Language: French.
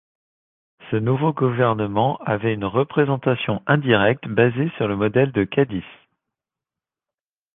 Ce nouveau gouvernement avait une représentation indirecte, basée sur le modèle de Cadix.